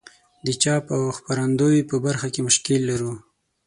د چاپ او خپرندوی په برخه کې مشکل لرو.